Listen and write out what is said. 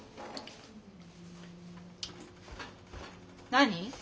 何？